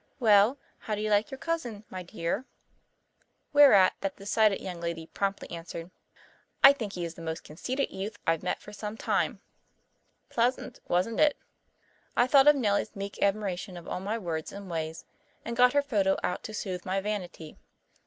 "Well, how do you like your cousin, my dear?" Whereat that decided young lady promptly answered, "I think he is the most conceited youth I've met for some time." Pleasant, wasn't it? I thought of Nellie's meek admiration of all my words and ways, and got her photo out to soothe my vanity.